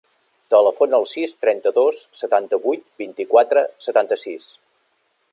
Telefona al sis, trenta-dos, setanta-vuit, vint-i-quatre, setanta-sis.